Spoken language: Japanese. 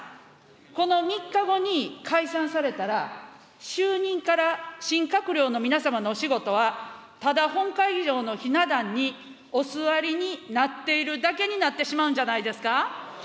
この３日後に、解散されたら、就任から新閣僚の皆様のお仕事はただ本会議場のひな壇にお座りになっているだけになってしまうんじゃないですか。